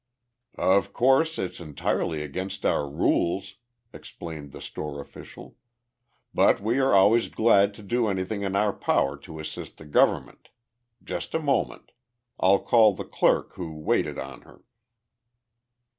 "Of course, it's entirely against our rules," explained the store official, "but we are always glad to do anything in our power to assist the government. Just a moment. I'll call the clerk who waited on her."